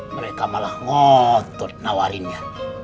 mereka malah ngotot nawarinnya